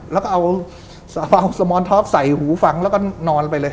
แล้วก็เอาสมอนท็อปใส่หูฟังแล้วก็นอนไปเลย